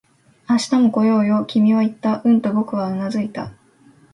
「明日も来ようよ」、君は言った。うんと僕はうなずいた